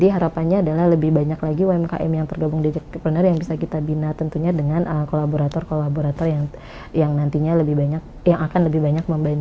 harapannya adalah lebih banyak lagi umkm yang tergabung di jackpreneur yang bisa kita bina tentunya dengan kolaborator kolaborator yang nantinya lebih banyak yang akan lebih banyak membantu